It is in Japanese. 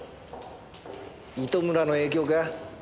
糸村の影響か？